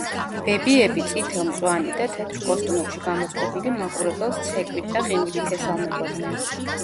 ბებიები, წითელ, მწვანე, და თეთრ კოსტუმებში გამოწყობილი მაყურებელს ცეკვით და ღიმილით ესალმებოდნენ.